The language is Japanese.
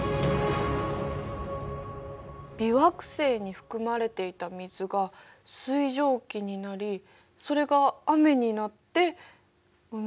微惑星に含まれていた水が水蒸気になりそれが雨になって海を作った？